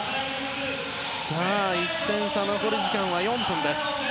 １点差で残り時間４分です。